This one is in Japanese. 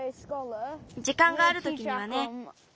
じかんがあるときにはね。